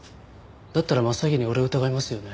だったら真っ先に俺を疑いますよね。